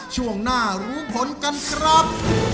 ช่วงหน้ารู้ผลกันครับ